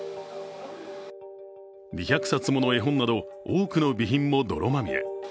２００冊もの絵本など多くの備品も泥まみれ。